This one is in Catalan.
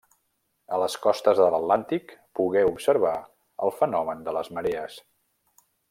A les costes de l'Atlàntic pogué observar el fenomen de les marees.